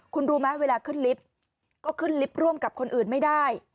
คุณรู้ไหมเวลาขึ้นลิฟต์ก็ขึ้นลิฟต์ร่วมกับคนอื่นไม่ได้